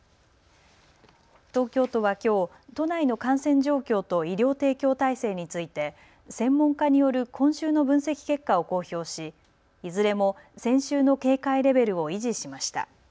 東京都はきょう都内の感染状況と医療提供体制について専門家による今週の分析結果を公表しいずれも先週の警戒レベルを維持しました。